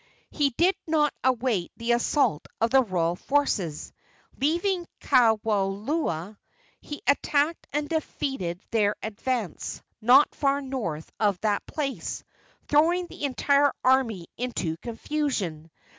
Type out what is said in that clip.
He did not await the assault of the royal forces. Leaving Kaawaloa, he attacked and defeated their advance not far north of that place, throwing the entire army into confusion.